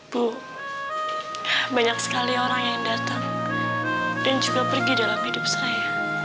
bu banyak sekali orang yang datang dan juga pergi dalam hidup saya